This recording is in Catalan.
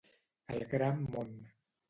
El gran món.